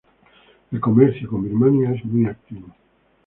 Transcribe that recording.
El comercio con Birmania es muy activo.